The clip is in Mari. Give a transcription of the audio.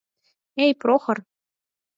Эй, Прохор!